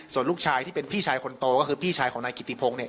ส่วนลูกชายที่เป็นพี่ชายคนโตก็คือพี่ชายของนายกิติพงศ์เนี่ย